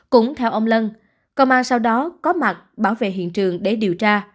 cũng theo ông lân công an sau đó có mặt bảo vệ hiện trường để điều tra